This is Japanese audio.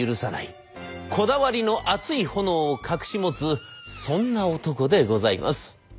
こだわりの熱い炎を隠し持つそんな男でございます。